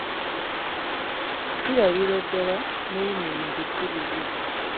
Kirabibwa ddala ne bino ebintu si bibyo.